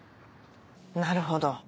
なるほど。